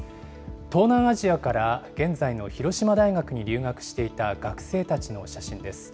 東南アジアから現在の広島大学に留学していた学生たちの写真です。